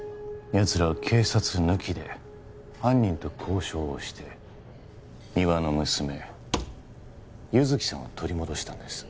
やつらは警察抜きで犯人と交渉をして三輪の娘優月さんを取り戻したんです